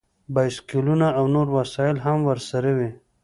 بایسکلونه او نور وسایل هم ورسره وي